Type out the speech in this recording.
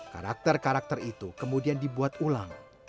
karakter karakter itu kemudian dibuat ulang